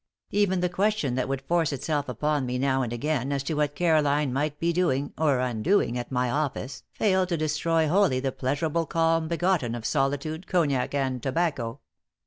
Even the question that would force itself upon me now and again as to what Caroline might be doing or undoing at my office failed to destroy wholly the pleasurable calm begotten of solitude, cognac and tobacco.